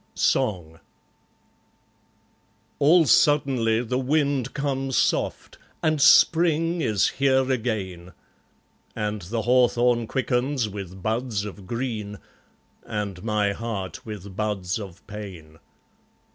Song All suddenly the wind comes soft, And Spring is here again; And the hawthorn quickens with buds of green, And my heart with buds of pain.